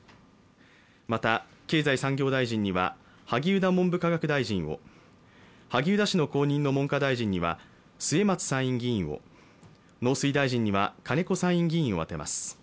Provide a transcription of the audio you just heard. また、経済産業大臣には萩生田文部科学大臣を、萩生田氏の後任の文科大臣には末松参議院議員を、農水大臣には金子参院議員を充てます。